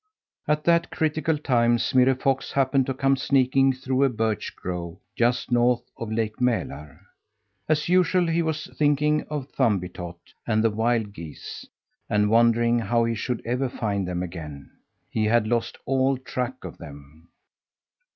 At that critical time Smirre Fox happened to come sneaking through a birch grove just north of Lake Mälar. As usual, he was thinking of Thumbietot and the wild geese, and wondering how he should ever find them again. He had lost all track of them.